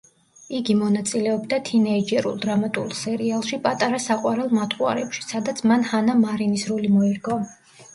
იგი მონაწილეობდა თინეიჯერულ, დრამატულ სერიალში, „პატარა საყვარელ მატყუარებში“, სადაც მან ჰანა მარინის როლი მოირგო.